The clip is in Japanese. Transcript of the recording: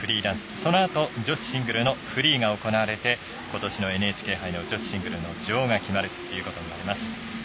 そのあと女子シングルのフリーが行われてことしのＮＨＫ杯の女子シングルの女王が決まるということになります。